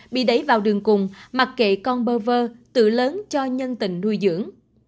bị đẩy vào đường cùng mặt kệ con bơ vơ tự lớn cho nhân tình nuôi dưỡng